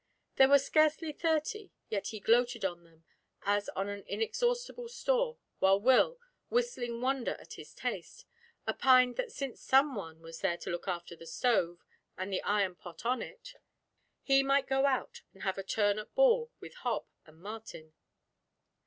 There were scarcely thirty, yet he gloated on them as on an inexhaustible store, while Will, whistling wonder at his taste, opined that since some one was there to look after the stove, and the iron pot on it, he might go out and have a turn at ball with Hob and Martin.